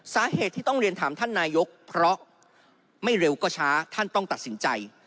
สาเหตุที่ต้องเรียนถามท่านนายกเพราะไม่เร็วก็ช้าท่านต้องตัดสินใจ